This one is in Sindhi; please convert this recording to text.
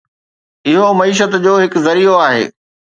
اهو معيشت جو هڪ ذريعو آهي